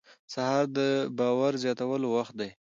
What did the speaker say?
سهار د باور زیاتولو وخت دی.